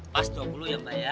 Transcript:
pas dua puluh ya mbak ya